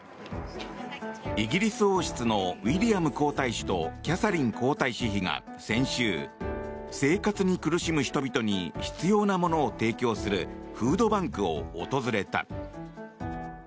イギリス王室のウィリアム皇太子とキャサリン皇太子妃が先週生活に苦しむ人々に必要なものを提供するフードバンクを訪れた。